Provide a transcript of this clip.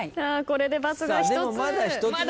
これで×が１つ。